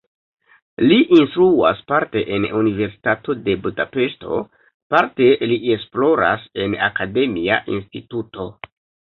Li instruas parte en Universitato de Budapeŝto, parte li esploras en akademia instituto.